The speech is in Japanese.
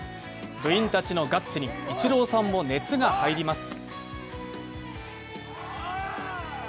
部員たちのガッツにイチローさんも熱が入ります。